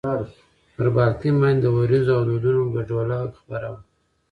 پر بالکن باندې د ورېځو او دودونو ګډوله خپره وه.